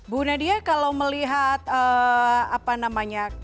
bu nadia kalau melihat apa namanya